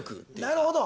なるほど。